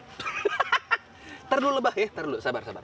bentar dulu lebah ya bentar dulu sabar sabar